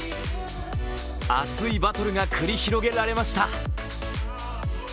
熱いバトルが繰り広げられました。